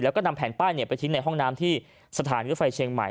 แล้วก็นำแผ่นป้ายไปทิ้งในห้องน้ำที่สถานีรถไฟเชียงใหม่